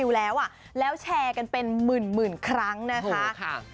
ก็คือพี่เจี๊ยบเซอร์นีนมาเปิดร้านก๋วยเตี๋ยว